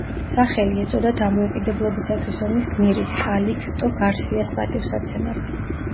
სახელი ეწოდა დამოუკიდებლობისათვის ომის გმირის, კალიქსტო გარსიას პატივსაცემად.